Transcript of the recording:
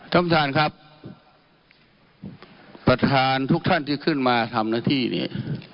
ท่านประธานครับประธานทุกท่านที่ขึ้นมาทำหน้าที่เนี่ย